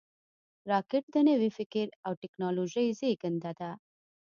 راکټ د نوي فکر او ټېکنالوژۍ زیږنده ده